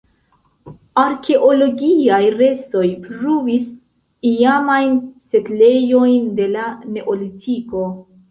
Arkeologiaj restoj pruvis iamajn setlejojn de la neolitiko.